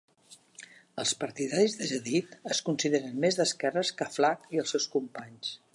Els partidaris de Jadid es consideren més d'esquerres que Aflaq i els seus companys.